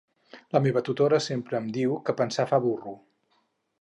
La meva tutora sempre em diu que pensar fa burro.